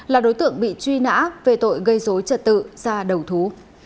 là đối tượng bị truy nã về tội gây dối trật tự ra đầu thú